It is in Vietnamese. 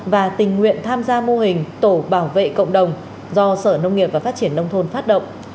và tình nguyện tham gia mô hình tổ bảo vệ cộng đồng do sở nông nghiệp và phát triển nông thôn phát động